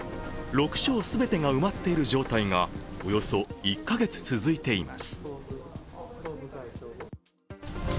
６床全てが埋まっている状態がおよそ１か月続いています。